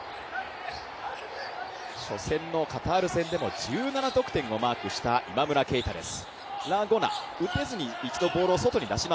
初戦のカタール戦でも１７得点をマークした今村佳太です。